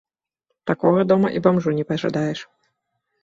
Такога дома і бамжу не пажадаеш.